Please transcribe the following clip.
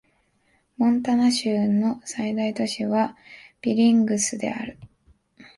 モンタナ州の最大都市はビリングスである